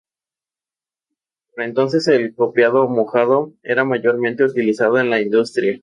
Por entonces el copiado ""mojado"" era el mayormente utilizado en la industria.